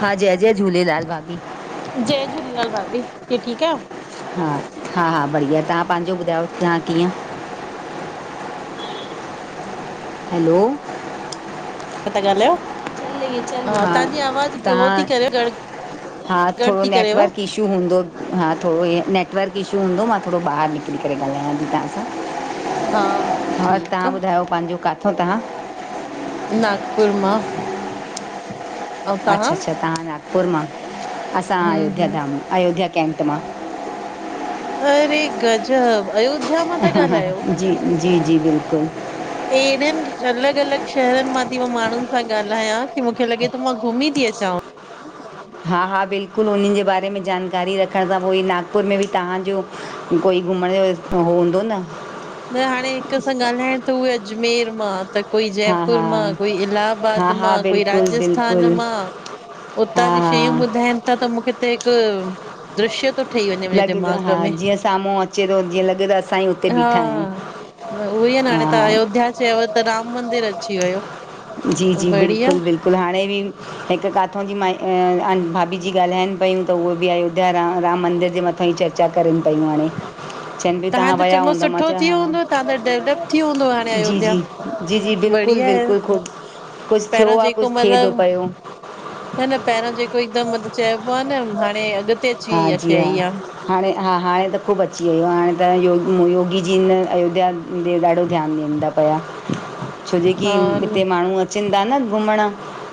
हा जय जय झूलेलाल भाभी। जय झूलेलाल भाभी कीअ ठीक आयो? हा हा हा बढ़िया तव्हां पांजो ॿुधायो तव्हां कीअं? हैलो। ता ॻाल्हायो हा तव्हांजी आवाज़ हो तव्हां थी करे गड़ हा गड़ थोरो थी करेव नेटवर्क इशू इशू हूंदो हा थोडो नेटवर्क इशू हूंदो मां थोरो ॿाहिर निकरी करे ॻाल्हायां ती हा हा तव्हां और ठीकु तव्हां ॿुधायो पांजो काथो तव्हां? नागपुर मां। अच्छा अच्छा तव्हां नागपुर मां असां हम्म अयोध्या हम्म धाम अयोध्या कैंप मां। अरे गजब अयो ह जी जी जी बिल्कुल। हे एडन अलॻ अलॻ शहरन मां ती मां माण्हुन सां ॻाल्हायां की मूंखे लॻे तो मां घुमी ती अचांव। हा हा बिल्कुल उन्हन जे बारे में जानकारी रखण सां कोई नागपुर में बि तव्हांजो कोई घुमण हो हूंदो न? न हाणे हिक सां ॻाल्हाइण त उहे अजमेर मां त कोई हा जयपुर हा मां कोई हा इलाहााबाद मां हा कोई बिल्कुलु राजस्थान बिल्कुलु मां। उतां हा जी शयूं हा ॿुधाइन ता त मूंखे त हिक द्रश्य तो लॻे तो हा जीअं साम्हूं अचे तो जीअं लॻे तो असां ई हुते बीठा आयूं। न उह ई न हाणे तव्हां अयोध्या चयो त राम मंदिर अची वयो। जी जी बिल्कुलु बिल् कुुल हाणे बि हिक काथो जी माई अ अन भाभी जी ॻाल्हाइन पयूं त उहो बि आयो ज राम राम मंदिर जे मथां ई चर्चा करन पयूं हाणे। चइन बि तव्हां त वया चङो हूंदा मां सुठो थी चयो हा वियो हूंदो तव्हां त डेवलप थी वियो हूंदो हाणे जी अयोध्या जी। जी जी बिल्कुल बिल्कुल ख़ूब पहरां जेको मतलब पियो न न पहरां जेको हिकदम मतब चइबो आह न हाणे अॻ हा जी हा। हाणे हा हाणे त ख़ूब अची वयो हाणे त योग योगी जी ने अयोध्या होदे ॾाढो ध्यान ॾियन ता पया। छो जे की हा हिते माणु अचन ता न घुमण।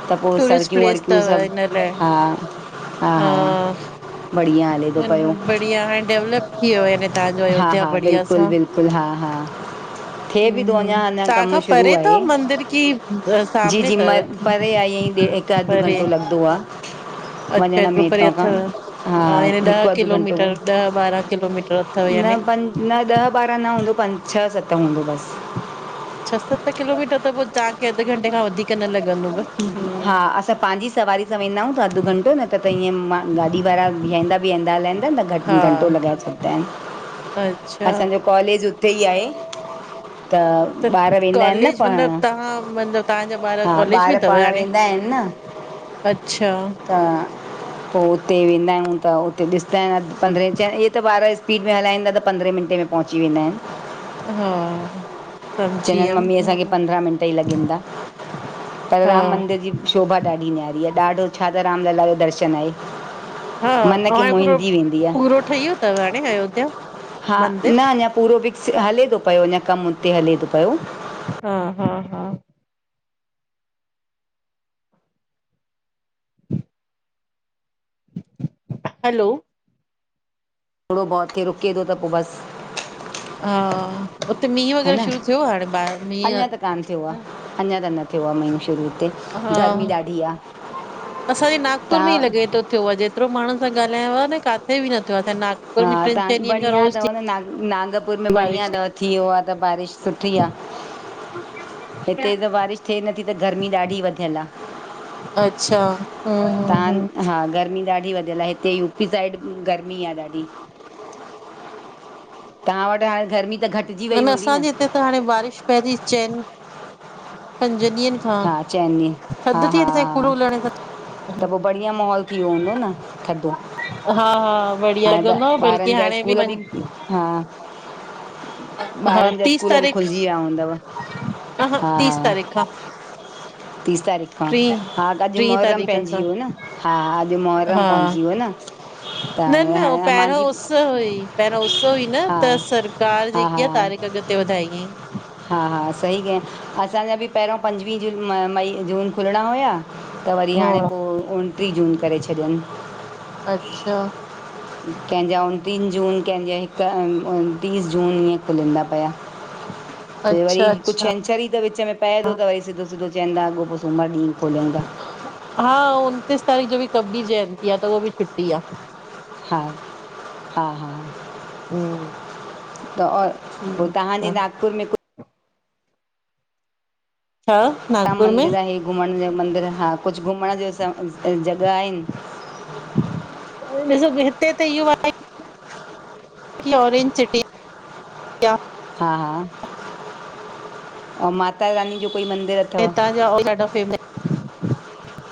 त पो टूरिस्ट सड़कियूं प्लेस वड़कियूं अथव सभ हिन लाइ हा ह हा। बढ़िया हले तो पयो। हिञ हाणे डेवलप थी वियो आहे याने तव्हांजो हा अयोध्या हा बढ़िया बिल्कुल सां बिल्कुल हा हा। थे भी थो हम्म अञा अञा तव्हां कम खां शुरू परे आहे अथव मंदिर की जी सामने जी म अथव? [unintelligible] परे आई हिक अध परे घंटो लॻंदो आ। अच्छा हेतरो परे अथव हा ॾह हिकु अधु घंटो किलोमीटर ॾह ॿारह किलोमीटर। अथव न यानी। पंज न ॾह ॿारहं न हूंदो पंज छह सत हूंदो बस। छह सत किलोमीटर त पो तांखे अध घंटे खां वधीक केन लगंदो। हा असां पांजी सवारी सां वेंदा आयूं त अध घंटो न त त ईअं मां गाॾी वारा बीहांदा वेहंदा लहेदां न घं हा घंटो लॻाए छॾींदा एन। अच्छा। असांजो कॉलेज उते ई आहे त। त ॿार वेंदा आहिनि न कॉलेज पढ़णु मतलबु तव्हां मतलबु तव्हांजा ॿार हा कॉलेज में तव। पढ़णु हाणे वेंदा आहिनि न अच्छा। त। पोइ उते वेंदा आहियूं त उते ॾिसंदा आहिन पंद्रहें च इहे त ॿारह स्पीड में हलाईंदा त पंद्रहें मिंनटे में। पहुची वेंदा आहिन। हा। समझी चवंदा आहिन मम्मी वियमि असांखे पंद्रह मिनट ई लगेंदा पर हा राम मंदिर जी। शोभा ॾाढी नियारी आहे ॾाढो छा त रामलला जो दर्शन आहे। हा मन खे ऐं पूरो मोहींदी वेंदी आहे पूरो ठही वयोतव हाणे अयोध्या। हा मंदिर? न अंञा पूरो विक्स हले थो पयो अञां कम उते हले थो पयो। हा -हा- हा। हैलो। थोडो बहुत रुके थो त पोइ बस। हा उते मीहुं वग़ैरह शुरू थियो आहे बाहेर हाणे मीहुं। कन थियो आ। अञां त थियो आ महीनो शुरू। हुते हा गर्मी ॾाढी आहे असांजे नागपुर में ई तव्हां लॻे थो। थियो आहे जेतिरो माणु सां ॻल्हयो न काथे बि न थियो असां हा नागपुर में टि्न चेयन तव्हां ॾींहंनि खां बढ़िया रोज़। अथव न नाग नागपुर में बढ़िया बारिश अथव थी वयो आहे त बारिश सुठी आ। हिते त बारिश थिए नथी त गर्मी ॾाढी वधियल आह। अच्छा। हम्म हम्म त्हां हा गर्मी ॾाढी वधियल आहे हिते यूपी साइड गर्मी आहे ॾाढी। तव्हां वटि हाणे गर्मी त घट। नन असांजे हिते त हाणे बारिश पयेती चेयन पंज ॾींहंन। हा चेनी हा- हा- हा लहण सां त पोइ बढ़िया माहोल। थी वयो हूंदो न थद्दो। हा- हा बढ़िया लॻंदो बल्कि ॿारनि जा हाणे भी स्कूल वञं। बि हा। हा ॿारन जा तीस स्कूल भी तारीख़ खुलजी वया हूंदव हा तीस हा। तारीख़ खां तीस तारीख़ खां टीं हा त अॼु टीं मुहर्रम तारीख़ पइजी खां वयो आहे न हा अॼु महर्रम हा पइजी वयो न। त न हाणे न उस हाणे मुंहिंजी पहिरियों उस हुई पहिरो उस हुई न हा त सरकार जी। हा कीअ हा तारीख अॻते वधाई अइ हा हा सही कै असांजा बि पहिरयों पंजवीह जून म मई जून खुलणा हुया त वरी हा हाणे पो उणट्रीह जून करे छॾियन अच्छा कंहिंजा उनतीन जून कंहिंजा हिक टीस जून ईअं खुलंदा पया छो वरी अच्छा कुछ अच्छा छंछर त विच में पये थो त वरी सिधो सिधो चयंदा अॻो पो सूमर ॾींहुं खोलंदा हा उनतीस तारीख़ जो भी कबीर जयंती आ त उहाो भी छुट्टी आ हा -हा- हा हम्म त ओर ठीकु तव्हांजी आहे नागपुर में कुछ छा ता नागपुर में मंदिर आए घुमिण जा मंदिर हा कुझू घुमिण जा स जॻिह आहिन। वरी ॾिसो हिते त हियो आए। कि ऑरेंज सिटी। आहे, हा आ, ऐं माता रानी जो कोई मंदिर हितां जो उइ ॾाढो फेमस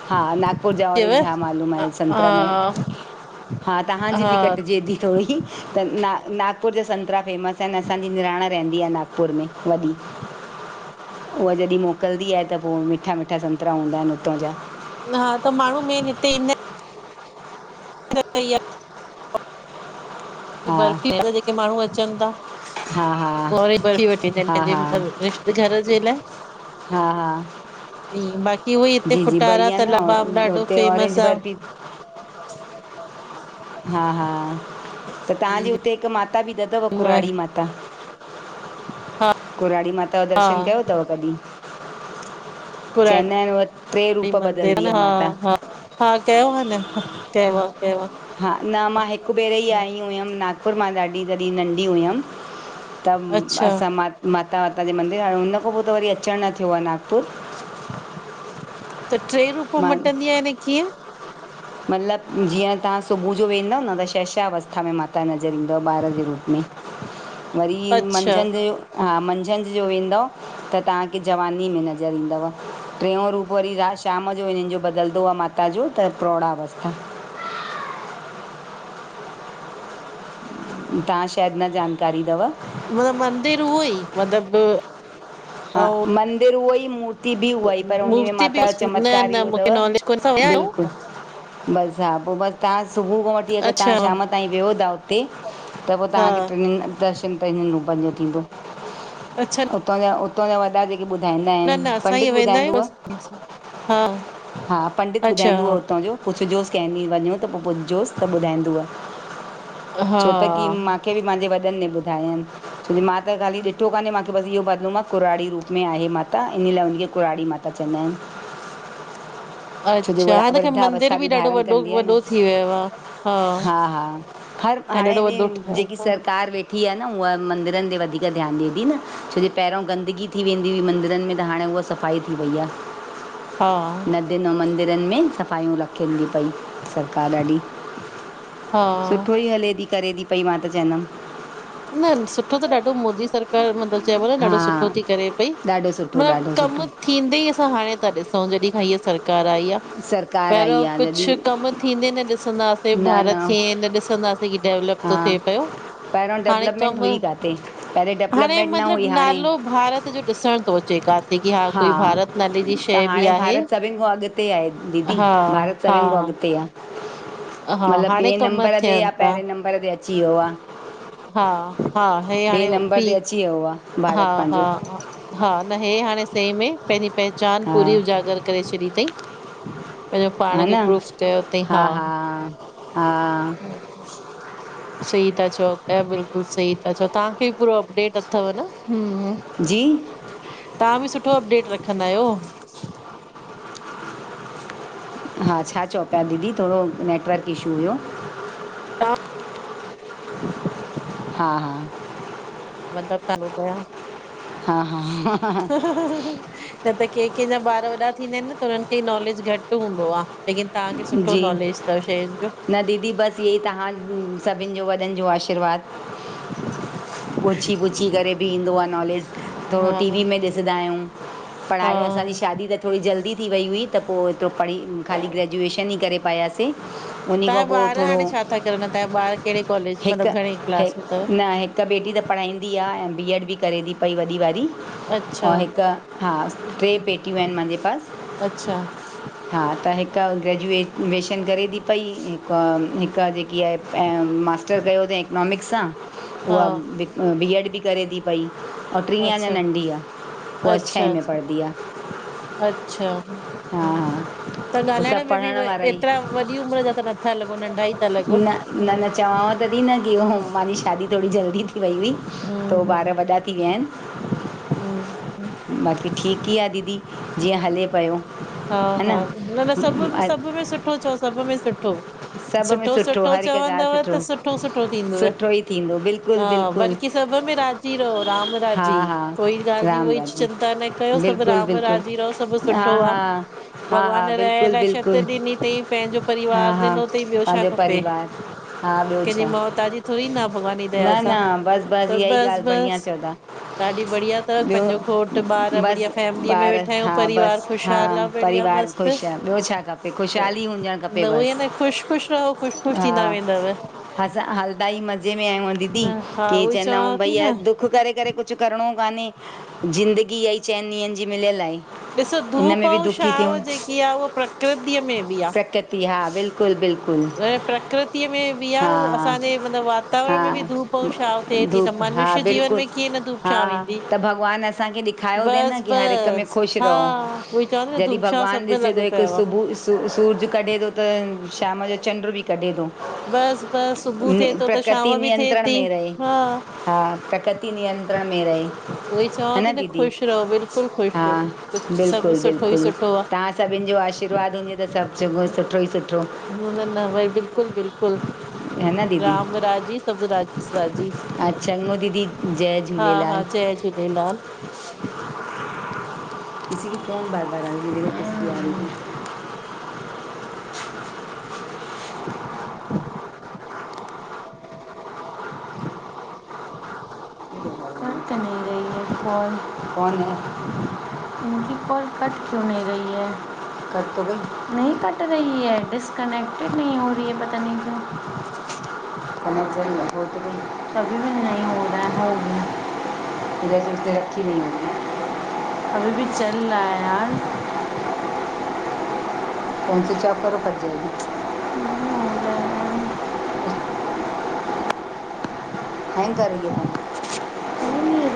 हा नाग पुर जा चयव ऑरेंज हा मालूम आए संतरा में, हा हा तांहांजी बि हा कटिजे बि थोङी त ना नागपुर जा संतरा फेमस अनि, असांजी निराण रहंदी आए नागपुर में वॾी। उह जॾहिं मोकलंदी आए, त पो मिठ्ठा मिठ्ठा संतरा हूंदा अनि हुतां जा। हा त माण्हू मेन हिते ईंदा अनि। सही [unintelligible] आ हा बर्फी थी वेंदां त जेके माण्हू अचनि ता। हा हा पो वरी बर्फी वठी अचनि हा हा पंहिंजे रिश्त घर जे लाइ। हा हा, बाक़ी उहोई हिते जी जी, फुटारा बढ़िया त न आ लबाब ॾाढो उते फेमस ऑरेंज आ। बर्फी हा हा, त तांहांजे हुते हिकु माता बि त अथव कुराड़ी माता? ता हा हा कुराड़ी माता जो हा दर्शन कयो तव कॾहिं? पुराणी चयंदा अनि उह ट्रे रूप मंदिर बदलदी न आ हा माता! हा हा कयो आह न, हा कयो आ कयो आ। हा न मां हिकु भेरे ई आई हुयमि, नागपुर मां ॾाढी जॾहिं नंढी हुयमि। त अच्छा असां म माता वाता जो मंदिर हाण, हुन खां पो त वरी अचनि न थियो आ नागपुर। त ट्रे रूप मां मटिदीं आए त कीअं? मतिलबु जीअं तां सुबुह जो वेंदांव न त शैशा अवस्था में माता नज़र ईंदव ॿार जे रूप में। वरी अच्छा मंझंनि जो, हा मंझंनि जो वेंदांव त तांहांखे जवानी में नज़र ईंदंव। ट्रेयो रूप वरी रा शाम जो हिनन जो बदलंदो आ माता जो त प्रोड़ा अवस्था। तां शेद न जानकारी तव? म मंदिर उहो ई मतिलबु हा मंदिर उहो ई मु र्ति बि उहाई पर उन्हीअ मूर्ति बि माता जो न चमत्कार न इहो मूंखे तव नॉलेज कोन तव्हां विया बिल्कुल। आहियो? बस हा पो बस तां सुबुह खां वठी अगरि तां अच्छा शाम ताईं वियो ता ते त पो हा तव्हांखे ट्रीनि दर्शन ट्रीनि रूपनि जो थींदो। अच्छ उतां जा उतां जा वॾा जेके ॿुधाईंदा न अनि न असां पंडित ईअं वेंदा ॿुधाईंदव। [unintelligible] हा हा पंडित अच्छा ॿुधाईंदों उ हुतां जो पुछजोस कंह ॾींहुं वञो त पो पुछजोस त ॿुधाईंद व। छो त की हा मांखे बि मांजे वॾिन न ॿुधायो अयनि मां त ख़ाली ॾिठो काने, मांखे बसि इहो ॿदिलू मां कुराड़ी रूप में आहे माता इन ला हुनखे कुराड़ी माता त चंयदा अनि। छो जो अच्छा वङा हाणे त ख़ैर वृद्धा मंदिर अवस्था बि ॾाढो धारणि वॾो कंदी आह न, वॾो थी वियो आ। हा हर हाणे ॾाढो वॾो ज ठहियो जेकी तव सरकार वे ठी आह न उह मंदिरनि ते वधीक ध्यानु ॾिए थी न, छो जो पहिरों गंदगी थी वेंदी हुई मंदिरनि में त हाणे उअ सफ़ाई थी वई आह। हा। हिन मंदरनि में सफ़ाइयूं रखेन थी पई सरकार ॾाढी। हा सुठो ई हले थी करे थी पई मां त चवंदमि। न सुठो त ॾाढो मोदी सरकार मतिलबु चइबो न हा ॾाढो सुठो थी करे पई ॾाढो सुठो मतिलबु ॾाढो सुठो कमु थींदे ई असां हाणे था ॾिसूं जॾि खां हिय सरकार आई आ। सरकार पहिरियों आई आहे जॾहिं कुझु कमु थींदे न ॾिसंदाससे, भारत खे न ॾिसंदासीं कि डेवलप हा तो थ थिए पयो। पहिरियों हाणे डेवलपमेंट कमु हुई किथे पहिरें हाणे डेवलपमेंट न हुई मतलबु हाणे नालो भारत जो ॾिसण थो अचे [unintelligible] जेकी हा कोई भारत नाले जी त शइ बि हाणे आहे, भारत सभिनि खां अॻिते आहे दीदी हा हा। हा मतिलब हाणे ॿिए कम नंबर ते या थियनि था पहिरें नंबर ते अची वियो आ। हा, हा हे हाणे पी अची वियो आहे हा, भारत पंहिंजो हा। हा न हे हाणे सह में पंहिंजी पहचान हा पूरी उजागर करे छॾी थई। पंहिंजो हा पाण न खे प्रूफ चयो थई हा। हा सही ता चओ पया बिल्कुलु सही था चओ तव्हांखे पूरो अपडेट अथव न। हु, हु जी तव्हां बि सुठो अपडेट रखंदा आहियो। हा छा चओ पिया दीदी थोरो नेटवर्क इशू हुयो। हा, हा। मतिलब [unintelligible] पया। हा, हा। न त कंहिं कंहिंजा ॿार वॾा थींदा आहिनि न त हुनन्हनि खे नॉलेज घटि हूंदो आ। लेकिन तव्हांखे सुठो जी नॉलेज थव शयुनि जो। न दीदी बसि इहे ई तव्हां सभिनि जो वॾनि जो आशीर्वाद। पुछी पुछी करे बि ईंदो आ नॉलेज। थोरो हा टी वी में ॾिसंदा आहियूं, पढ़ाई हा असांजी शादी त थोरी जल्दी थी वई हुई त पोइ एतिरो पढ़ी ख़ाली ग्रेजुएशन ई करे पायासे। तव्हांजा ॿार हाणे छा था करनि तव्हांजा ॿार कहिड़े कॉलेज मतलबु घणे क्लास में थव? हिक बेटी त पढ़ाईंदी आ ऐं बी एड बि करे थी पई वॾी वारी अच्छा ऐं हिकु हा ट्रे बेटियूं आहिनि मुंहिंजे पास। अच्छा। हा त हिकु हिकु ग्रेजुएट एशन करे थी पई हिकु, हिकु जेकी आहे मास्टर कयो थईं हि इकनॉमिक्स आ, हा उहा बि बी एड बि करे थी पई ऐं टीह अञा अच्छा नंढी आहे उहा छहें अच्छा में अच्छा पढ़ंदी आ। अच्छा। हा हम्म हा। त ॻाल्हाइण सभु में बि पढ़ण वारा ई एतिरा वॾी उमिरि जा त नथा लॻो नंढा ई था लॻो। तॾहिं न की [unintelligible] मांझी शादी थोरी जल्दी थी वई हुई। तो ॿार हम्म वॾा थी विया हम्म आहिनि। बाक़ी ठीकु ई आ दीदी, जीअं हले पयो। हा, हा, न, न सभ में सभ में सुठो चओ सभ में सुठो। सभ में सुठो, सुठो हर हिकु ॻाल्हि चवंदव त सुठो सुठो थींदव, सुठो ई थींदो बिल्कुलु हा बिल्कुलु बल्क की सभ में राजी रहो राम हा राजी हा कोई ॻाल्हि जी राम उवई राम चिंता न कयो सभु बिल्कुलु राम राजी रहो। सभु बिल्कुलु हा सुठो आ, हा हा हा भॻवान रहि बिल्कुलु लाइ छत बिल्कुलु ॾिनी थईं, पंहिंजो हा परिवार हा ॾिनो थई ॿियो छा पंहिंजो खपे? परिवार हा ॿियो कंहिंजी छा मौहताजी थोरी न भॻवान जी दया न सां न बसि त इहा ई बसि ॻाल्हि बढ़िया बसि चओ था ॾाढी बढ़िया तव ॿियो पंहिंजो घोटु ॿार बढ़िया बसि फैमिलीअ में ॿार वेठा आहियूं हा परिवार बसि ख़ुश हा छा हाल आ बढ़िया परिवार मस्त। ख़ुशि आहे ॿियो छा खपे ख़ुशहाली हुजणु खपे नव एन बसि ख़ुश ख़ुश रहो। ख़ुश ख़ुश थींदा हा वेंदव। असां हलदा ई मज़े में आयू आ दीदी न हा कि उहोई चएदा आऊ चवांव थी भई अ न दुखु दुखु करे करे कुछ करिणो कान्हे ज़िंदगी इहा ई चइनि ॾींहंनि जी मिलियल आहे। ॾिसो इन धूप में औ बि दुखी थियूं छांव जेकी आ उहा प्रकृति में बि आ। प्रकृति हा बिल्कुलु बिल्कुल बिल्कुल प्रकृति में बि आ असांजे मतिलबु हा वातावरण में बि धूप ऐं छांव थिए थी त धूप हा मनुष्य जीवन बिल्कुलु में कीअं न धूप हा छांव ईंदी त भॻवानु असांखे ॾि खायो थेए न बस की हर हिक में बस ख़ुशि हा रहो उहोई चवां थी न जॾहिं धूप छांव भॻिवानु सभ में ॾिसे त लॻो हिकु पियो आ। सुबुह सू सूरज कढे थो त शाम जो चंडु बि कढे थो। बस बसि सुबुह थिए थो त प्रकृति शाम बि थिए नियंत्रण थी में रहे हा हा प्रकृति नियंत्रण में रहे उहोई हा चवां थी न दीदी ख़ुशि रहो बिल्कुलु हा ख़ुशि कुझु सभु बिल्कुलु सुठो ई बिल्कुलु सुठो आ। तव्हां सभिनि जो आशीर्वाद हूंजे त सभु चङो सुठो ई सुठो न न न भई बिल्कुल बिल्कुल। है न दीदी राम राजी सभ राज राजी। हा चङो दीदी जय हा हा जय झूलेलाल। ी कतदा [unintelligible] [unintelligible] कट क्यु नही रही है, कट तो गई। नही कट रही है डिस कनेक्टेड नही हो रही हे पता नही क्यो [unintelligible] [unintelligible] अभी बि चल रहा है। यार [unintelligible] हं [unintelligible] [inaudible]